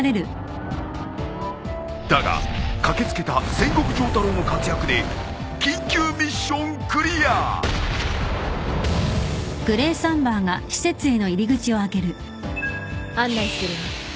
［だが駆け付けた千石城太郎の活躍で緊急ミッションクリア］案内するわ。